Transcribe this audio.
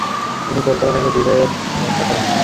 তিনি কলকাতা থেকে বিলেত যাত্রা করেন।